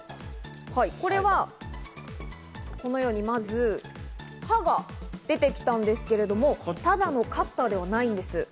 これはこのように刃が出てきたんですけれども、ただのカッターではないんです。